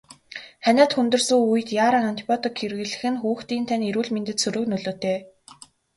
Ханиад хүндэрсэн үед яаран антибиотик хэрэглэх нь хүүхдийн тань эрүүл мэндэд сөрөг нөлөөтэй.